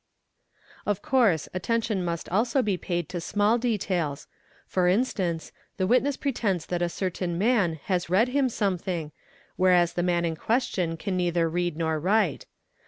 ) Of course attention must also be paid to small details ; for instance, the witness pretends that a certain man has read him something whereas the man in question can neither read nor write.